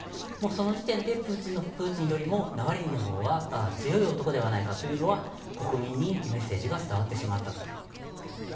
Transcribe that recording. その時点でプーチンよりもナワリヌイのほうが強い男ではないかということで国民にメッセージが伝わってしまったと。